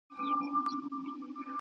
چي په خوله کي دي صدف